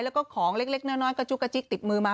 แล้วก็ของเล็กน้อยกระจุกกระจิ๊กติดมือมา